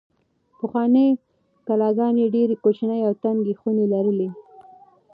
پخوانۍ کلاګانې ډېرې کوچنۍ او تنګې خونې لرلې.